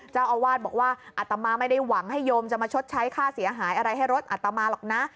เจ้าอาวาสบอกว่าอัตมาไม่ได้หวังให้โยมจะมาชดใช้ค่าเสียหายอะไรให้รถอัตมาหรอกนะ